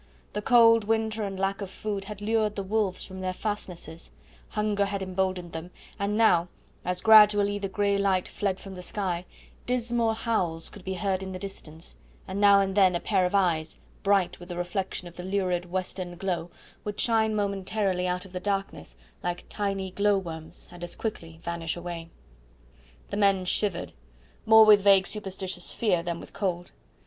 The cold winter and lack of food had lured the wolves from their fastnesses hunger had emboldened them, and now, as gradually the grey light fled from the sky, dismal howls could be heard in the distance, and now and then a pair of eyes, bright with the reflection of the lurid western glow, would shine momentarily out of the darkness like tiny glow worms, and as quickly vanish away. The men shivered more with vague superstitious fear than with cold.